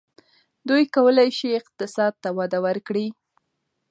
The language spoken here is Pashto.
دوی کولای شي اقتصاد ته وده ورکړي.